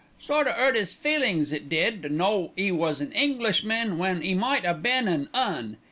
Sort o' 'urt 'is feelin's, it did to know 'e was an Englishman when 'e might 'ave been an 'Un.